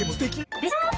でしょ？